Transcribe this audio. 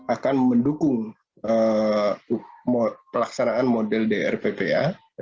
akan mendukung pelaksanaan model drppa